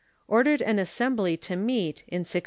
or dered an assembly to meet, in 1643.